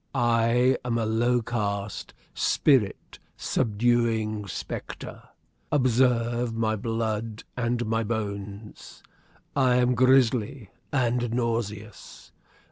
I am a low caste, spirit subduing spectre. Observe my blood and my bones. I am grisly and nauseous.